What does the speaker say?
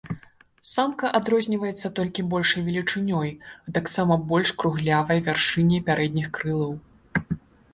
Самка адрозніваецца толькі большай велічынёй, а таксама больш круглявай вяршыняй пярэдніх крылаў.